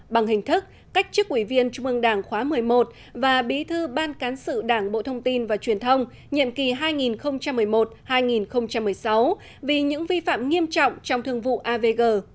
bằng hình thức cách chức ủy viên trung ương đảng khóa một mươi một và bí thư ban cán sự đảng bộ thông tin và truyền thông nhiệm kỳ hai nghìn một mươi một hai nghìn một mươi sáu vì những vi phạm nghiêm trọng trong thương vụ avg